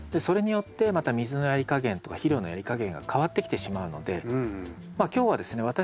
それによってまた水のやり加減とか肥料のやり加減が変わってきてしまうのでまあ今日はですね